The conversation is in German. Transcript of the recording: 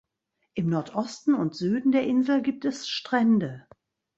Im Nordosten und Süden der Insel gibt es Strände.